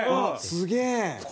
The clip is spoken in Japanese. すげえ！